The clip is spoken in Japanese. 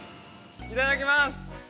いただきます！